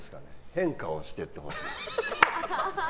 変化をしていってほしい。